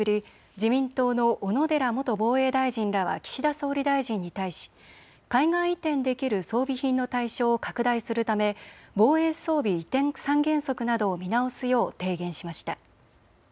自民党の小野寺元防衛大臣らは岸田総理大臣に対し海外移転できる装備品の対象を拡大するため防衛装備移転三原則などを見直すよう提言しました。